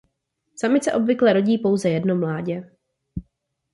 Samice obvykle rodí pouze jedno mládě.